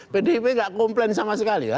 pdip nggak komplain sama sekali ya